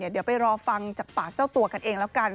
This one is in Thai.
เดี๋ยวไปรอฟังจากปากเจ้าตัวกันเองแล้วกัน